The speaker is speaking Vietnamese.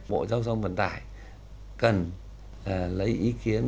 bộ giao thông vận tải cần lấy ý kiến